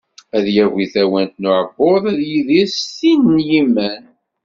Ad yagi tawant n uɛebbuḍ ad yidir s tin n yiman.